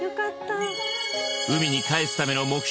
海に帰すための目標